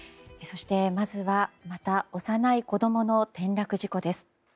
そして、まずはまた幼い子供の転落事故です。